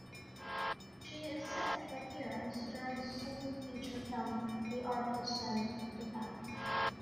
She is set to appear in Stearns' second feature film, "The Art of Self-Defense".